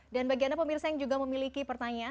dan bagi anda pemirsa yang juga memiliki pertanyaan